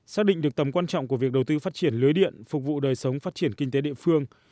xác định được tầm quan trọng của việc đầu tư phát triển lưới điện phục vụ đời sống phát triển kinh tế địa phương